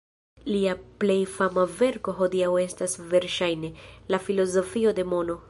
Lia plej fama verko hodiaŭ estas verŝajne "La filozofio de mono".